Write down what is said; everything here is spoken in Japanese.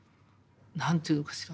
何て言うのかしら